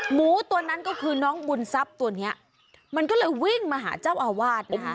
หมูตัวนั้นก็คือน้องบุญทรัพย์ตัวเนี้ยมันก็เลยวิ่งมาหาเจ้าอาวาสนะคะ